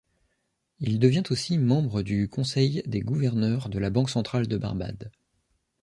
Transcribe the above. Il devient aussi membre du conseil des gouverneurs de la Banque centrale de Barbade.